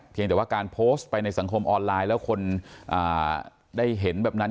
แต่ว่าการโพสต์ไปในสังคมออนไลน์แล้วคนได้เห็นแบบนั้น